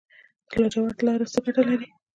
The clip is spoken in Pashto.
د لاجوردو لاره څه ګټه لري؟